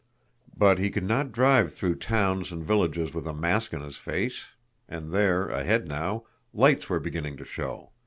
But he could not drive through towns and villages with a mask on his face; and there, ahead now, lights were beginning to show.